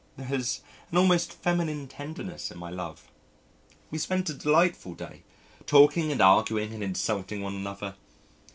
There is an almost feminine tenderness in my love. We spent a delightful day, talking and arguing and insulting one another....